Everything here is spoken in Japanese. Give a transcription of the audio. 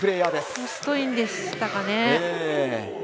ポストインでしたかね。